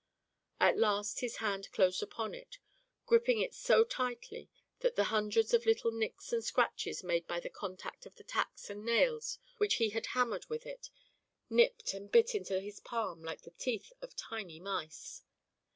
At last his hand closed upon it, gripping it so tightly that the hundreds of little nicks and scratches made by the contact of the tacks and nails which he had hammered with it nipped and bit into his palm like the teeth of tiny mice.